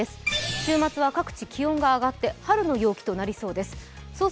週末は各地、気温が上がって春の陽気となりそうです。